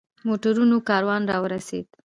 موټرونو کاروان را ورسېد.